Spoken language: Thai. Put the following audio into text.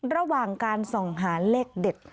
ระหว่างการส่องหาเลขเด็ด